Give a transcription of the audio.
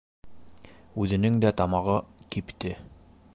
Үҙенең дә тамағы кипте.